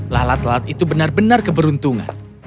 lalat lalat itu benar benar keberuntungan